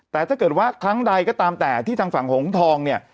แต่ถ้าเกิดว่าครั้งใดก็ตามแต่ที่ทางฝั่งหงทองเนี่ย